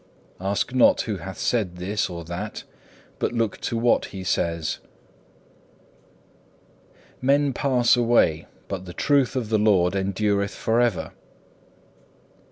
Ask not, who hath said this or that, but look to what he says. 2. Men pass away, but the truth of the Lord endureth for ever.